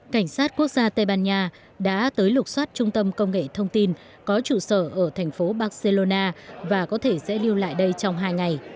cảnh sát quốc gia tây ban nha đã tới lục xoát trung tâm công nghệ thông tin có trụ sở ở thành phố barcelona và có thể sẽ lưu lại đây trong hai ngày